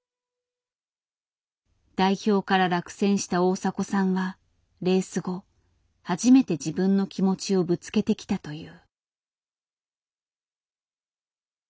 代表から落選した大迫さんはレース後初めて自分の気持ちをぶつけてきたという。